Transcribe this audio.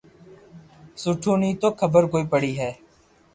سبو ني تو خبر ڪوئي پڙي ھي